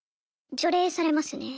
除霊されますね。